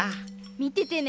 みててね！